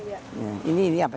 saya meng classic peti habi